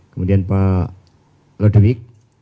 kemudian pak lodewik